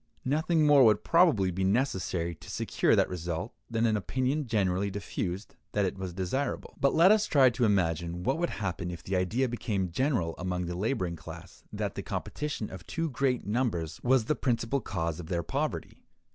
Nothing more would probably be necessary to secure that result, than an opinion generally diffused that it was desirable. But let us try to imagine what would happen if the idea became general among the laboring class that the competition of too great numbers was the principal cause of their poverty.